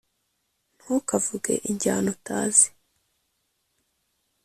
ntukavuge injyana utazi